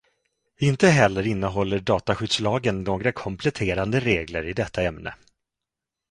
Inte heller innehåller dataskyddslagen några kompletterande regler i detta ämne.